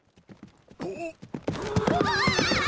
・・うわ！